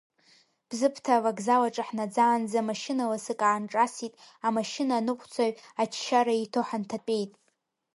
Бзыԥҭа авокзал аҿы ҳнаӡаанӡа машьына ласык аанҿасит, амашьына аныҟәцаҩ аџьшьара иҭо ҳанҭатәеит.